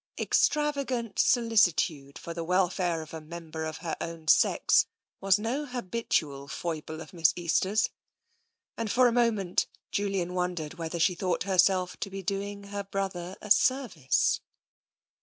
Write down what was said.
Extravagant solicitude for the welfare of a member of her own sex was no habitual foible of Miss Easter's, and for a moment Julian wondered whether she thought herself to be doing her brother a service.